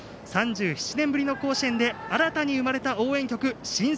３７年ぶりの甲子園で新たに生まれた応援曲。